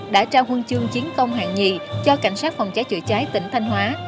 đã trao huân chương chiến công hạng nhì cho cảnh sát phòng cháy chữa cháy tỉnh thanh hóa